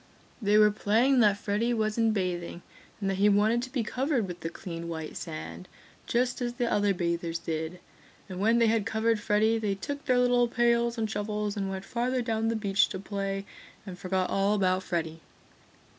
They were playing that Freddy was in bathing and that he wanted to be covered with the clean white sand, just as the other bathers did. And when they had covered Freddy they took their little pails and shovels and went farther down the beach to play and forgot all about Freddy.